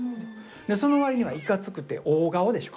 その割にはいかつくて大顔でしょ？